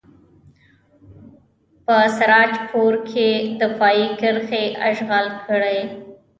په سراج پور کې دفاعي کرښې اشغال کړئ.